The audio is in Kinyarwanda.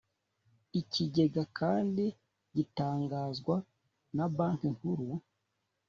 Ikigega kandi gitangazwa na Banki Nkuru